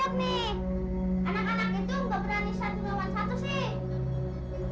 anak anak itu gak berani satu lawan satu sih